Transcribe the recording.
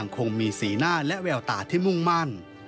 คงมีสีหน้าและแววตาที่มุ่งมั่น